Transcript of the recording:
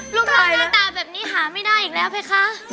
เราหน้าตาแบบนี้หาไม่ได้อีกแล้วไหมคะ